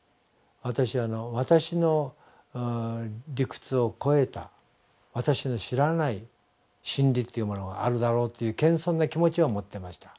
私は私の理屈を超えた私の知らない真理というものがあるだろうっていう謙遜な気持ちは持ってました。